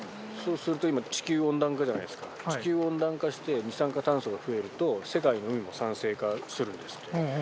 そうすると今、地球温暖化じゃないですか、地球温暖化して、二酸化炭素が増えると、世界の海も酸性化するんですって。